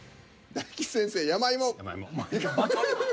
大吉先生「山芋」。